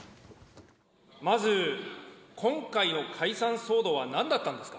まず、今回の解散騒動はなんだったんですか。